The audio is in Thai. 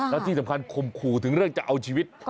แล้วที่สำคัญข่มขู่ถึงเรื่องจะเอาชีวิต